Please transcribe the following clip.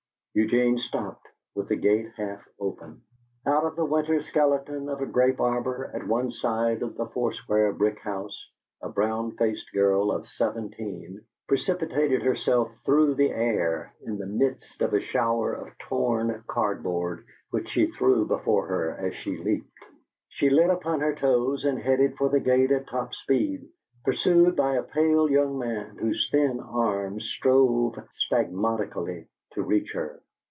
Eugene stopped, with the gate half open. Out of the winter skeleton of a grape arbor at one side of the four square brick house a brown faced girl of seventeen precipitated herself through the air in the midst of a shower of torn card board which she threw before her as she leaped. She lit upon her toes and headed for the gate at top speed, pursued by a pale young man whose thin arms strove spasmodically to reach her.